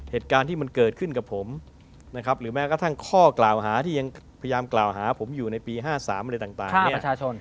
เหตุการณ์ที่มันเกิดขึ้นกับผมนะครับหรือแม้กระทั่งข้อกล่าวหาที่ยังพยายามกล่าวหาผมอยู่ในปี๕๓อะไรต่างเนี่ย